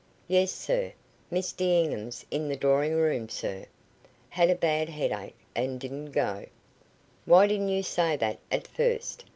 "Yes, sir. Miss D'Enghien's in the drawing room, sir. Had a bad headache, and didn't go." "Why didn't you say that at first?"